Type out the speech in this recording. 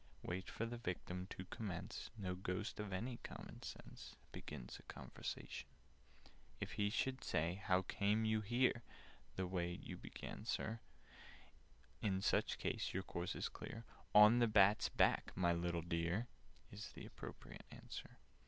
Wait for the Victim to commence: No Ghost of any common sense Begins a conversation. [Picture: Ghostly border] "If he should say 'How came you here?' (The way that you began, Sir,) In such a case your course is clear— 'On the bat's back, my little dear!' Is the appropriate answer.